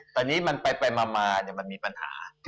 ตอนนี้มันไปไปมามี่มีปัญหา